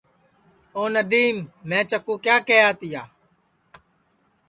آو ندیم میں چکُو کیا کیہیا تیا